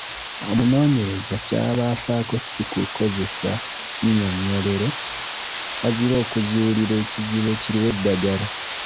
Omunooneyereza ky’aba afaako ssi kukozesa nnyinyonnyolero, wazira okuzuulira ekizibu ekiriwo eddagala.